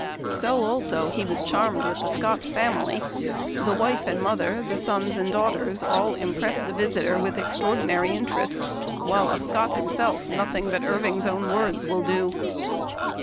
So, also, he was charmed with the Seott family. The wife and mother, the sons and daughters, all impressed the visitor with extra ordinary interest, while of Scott himself noth ing but Irving's own words will do.